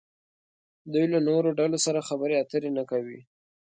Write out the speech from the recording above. دوی له نورو ډلو سره خبرې اترې نه کوي.